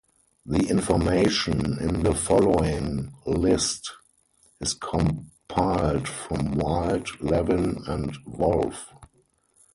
The information in the following list is compiled from Wild, Levin, and Wolff.